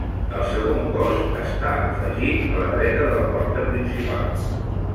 El segon cos està afegit a la dreta de la porta principal.